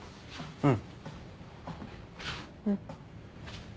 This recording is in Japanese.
うん？